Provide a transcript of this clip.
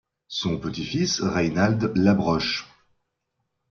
Son petit fils Raynald Labroche.